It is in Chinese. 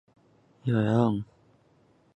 现在住在横滨市。